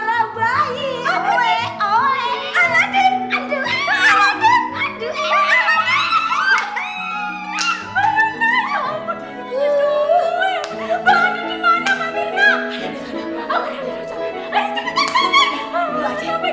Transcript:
akhirnya di rumah ini